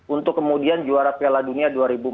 untuk kemudian juara piala dunia dua ribu empat belas